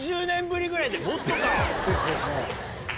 もっとか？